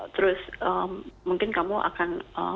terus mungkin kamu akan